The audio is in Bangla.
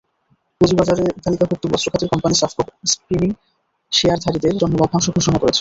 পুঁজিবাজারে তালিকাভুক্ত বস্ত্র খাতের কোম্পানি সাফকো স্পিনিং শেয়ারধারীদের জন্য লভ্যাংশ ঘোষণা করেছে।